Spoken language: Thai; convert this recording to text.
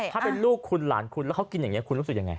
ถ้าเป็นลูกคุณหลานคุณแล้วเขากินอย่างนี้คุณรู้สึกยังไง